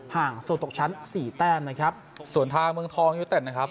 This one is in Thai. ห่างสูตรตกชั้นสี่แต้มนะครับส่วนทางเมืองทองยูเต็ดนะครับ